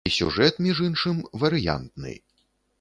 І сюжэт, між іншым, варыянтны.